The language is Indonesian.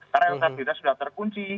karena entabilitas sudah terkunci